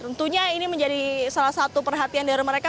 tentunya ini menjadi salah satu perhatian dari mereka